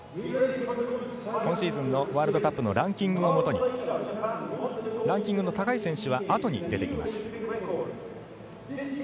今シーズンのワールドカップのランキングをもとにランキングの高い選手はあとに出てきます。